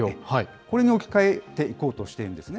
これに置き換えていこうとしているんですね。